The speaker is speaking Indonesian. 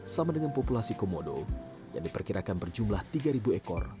sama dengan populasi komodo yang diperkirakan berjumlah tiga ekor